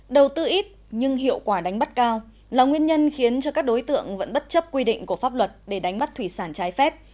đầu tư ít nhưng hiệu quả đánh bắt cao là nguyên nhân khiến cho các đối tượng vẫn bất chấp quy định của pháp luật để đánh bắt thủy sản trái phép